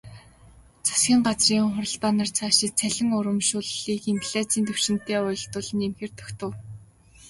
Засгийн газрын хуралдаанаар цаашид цалин урамшууллыг инфляцын түвшинтэй уялдуулан нэмэхээр тогтов.